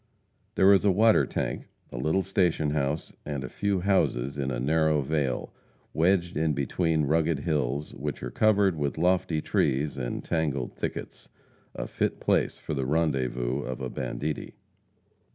There is a water tank, a little station house, and a few houses in a narrow vale, wedged in between rugged hills, which are covered with lofty trees and tangled thickets, a fit place for the rendezvous of a banditti.